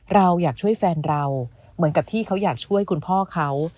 เราอยากช่วยแฟนเราเหมือนกับที่เขาอยากช่วยคุณพ่อเขา